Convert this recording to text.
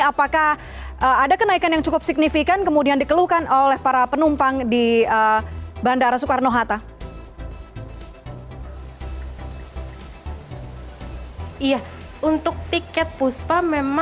apakah ada kenaikan yang cukup signifikan kemudian dikeluhkan oleh para penumpang di bandara soekarno hatta